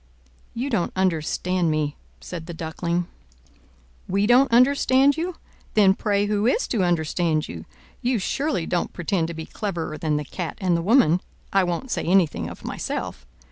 "You don't understand me," said the Duckling. "We don't understand you? Then pray who is to understand you? You surely don't pretend to be cleverer than the Cat and the woman—I won't say anything of myself.